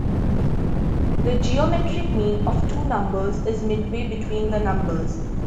The geometric mean of two numbers is midway between the numbers.